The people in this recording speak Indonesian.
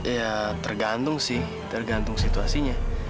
ya tergantung sih tergantung situasinya